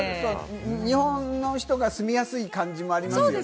日本の人が住みやすい感じもありますよね。